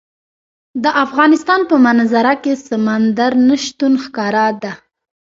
د افغانستان په منظره کې سمندر نه شتون ښکاره ده.